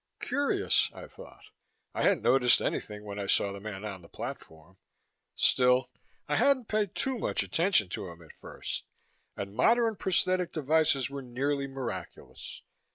Curious, I thought, I hadn't noticed anything when I saw the man on the platform. Still, I hadn't paid too much attention to him at first, and modern prosthetic devices were nearly miraculous.